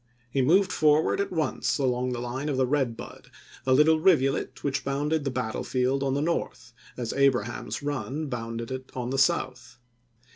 He moved forward 8e^i^ at once along the line of the Eed Bud, a little rivu let which bounded the battlefield on the north, as Abraham's Eun bounded it on the south.